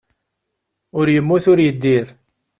Ur yemmut, ur yeddir.